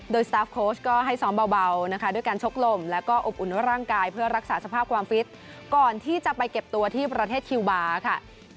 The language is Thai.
โดยสตาร์ฟโค้ชก็ให้ซ้อมเบานะคะด้วยการชกลมแล้วก็อบอุ่นร่างกายเพื่อรักษาสภาพความฟิตก่อนที่จะไปเก็บตัวที่ประเทศคิวบาร์ค่ะ